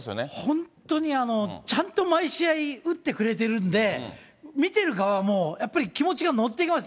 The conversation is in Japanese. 本当に、ちゃんと毎試合、打ってくれてるんで、見てる側も、やっぱり気持ちが乗っていきます。